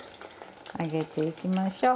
上げていきましょう。